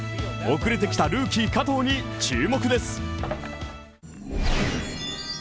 遅れてきたルーキー・加藤に注目です。